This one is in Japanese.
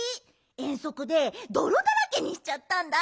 えんそくでどろだらけにしちゃったんだ。